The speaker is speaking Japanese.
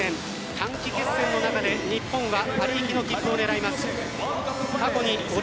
短期決戦の中で日本はパリ行きの切符を狙います。